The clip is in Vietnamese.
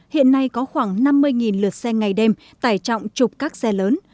hiện nay có khoảng năm mươi lượt xe ngày đêm tải trọng chụp các xe lớn